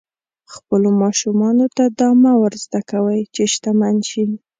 خپلو ماشومانو ته دا مه ور زده کوئ چې شتمن شي.